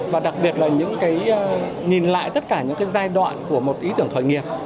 và đặc biệt là nhìn lại tất cả những giai đoạn của một ý tưởng khởi nghiệp